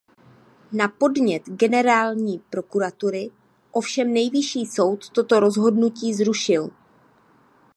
Na podnět Generální prokuratury ovšem Nejvyšší soud toto rozhodnutí zrušil.